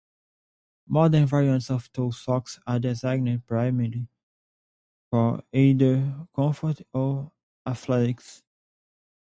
Modern variants of toe socks are designed primarily for either comfort or athletics.